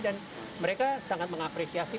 dan mereka sangat mengapresiasi